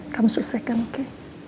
kamu selesaikan oke